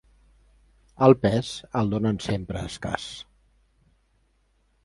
El pes, el donen sempre escàs.